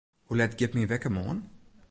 Hoe let giet myn wekker moarn?